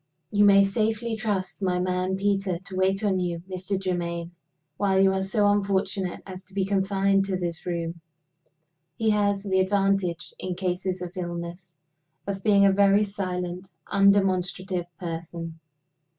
"You may safely trust my man Peter to wait on you, Mr. Germaine, while you are so unfortunate as to be confined to this room. He has the advantage (in cases of illness) of being a very silent, undemonstrative person.